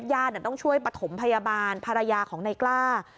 ญาติต้องช่วยปฐมพยาบาลภรรยาของนายกล้า